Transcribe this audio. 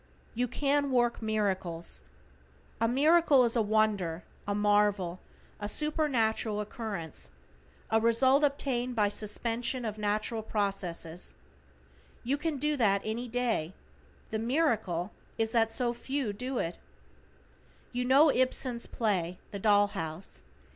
=YOU CAN WORK MIRACLES=: A miracle is a wonder, a marvel, a supernatural occurrence, a result obtained by suspension of natural processes. You can do that any day. The miracle is that so few do it. You know Ibsen's play, "The Doll House."